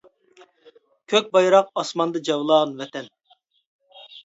كۆك بايراق ئاسماندا جەۋلان ۋەتەن!